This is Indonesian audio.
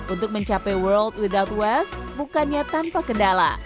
untuk mencapai world without west bukannya tanpa kendala